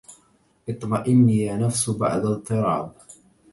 اطمئني يا نفس بعد اضطراب